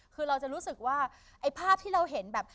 คือเราจะรู้สึกว่าไอ้ภาพที่เราเห็นแบบ